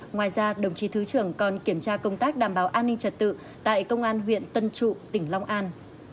ngoài ra đồng chí thứ trưởng còn kiểm tra công tác đảm bảo an ninh trật tự tại công an huyện tân trụ tỉnh long an